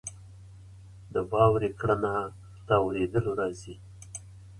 د واورې کړنه له اورېدلو راځي.